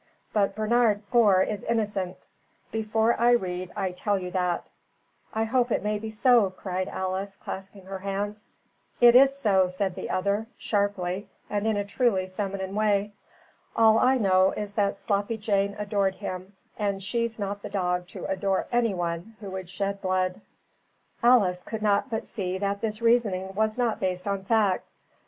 But Bernard Gore is innocent. Before I read I tell you that." "I hope it may be so," cried Alice, clasping her hands. "It is so," said the other, sharply and in a truly feminine way. "All I know is that Sloppy Jane adored him, and she's not the dog to adore anyone who would shed blood." Alice could not but see that this reasoning was not based on facts.